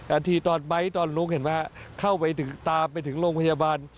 นาทีตอนไบท์ตอนลุกเห็นไหมฮะเข้าไปตามไปถึงโรงพยาบาล